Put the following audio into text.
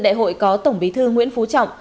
đại hội có tổng bí thư nguyễn phú trọng